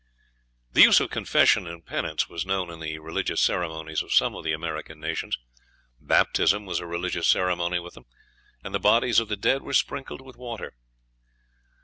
The use of confession and penance was known in the religious ceremonies of some of the American nations. Baptism was a religious ceremony with them, and the bodies of the dead were sprinkled with water.